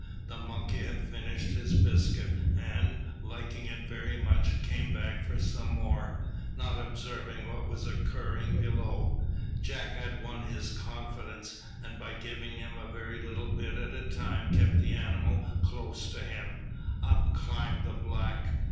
The monkey had finished his biscuit, and, liking it very much, came back for some more, not observing what was occurring below. Jack had now won his confidence; and by giving him a very little bit at a time kept the animal close to him. Up climbed the black.